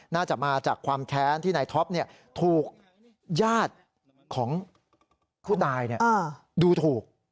น่าจะมาจากความแค้นที่นายท็อปเนี่ยถูกยาดของคู่นายเนี่ยดูถูก